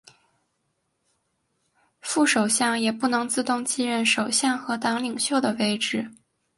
副首相也不能自动继任首相和党领袖的位置。